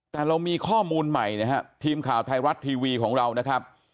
แต่เรามีข้อมูลใหม่นะครับทีมข่าวไทยรัฐทีวีของเรานะครับ